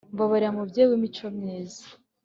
mbabarira mubyeyi w’imico myiza